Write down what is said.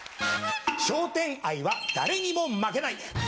笑点愛は誰にも負けない。